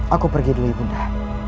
aku pergi dulu ibu nda